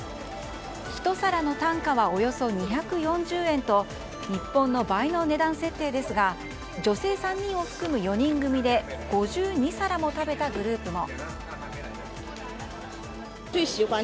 １皿の単価はおよそ２４０円と日本の倍の値段設定ですが女性３人を含む４人組で５２皿も食べたグループも。